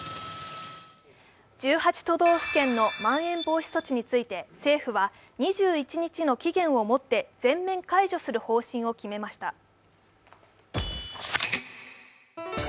１８都道府県のまん延防止措置について政府は２１日の期限をもって全面解除する方針を決めました。